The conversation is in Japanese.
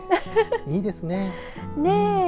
いいですね。ね。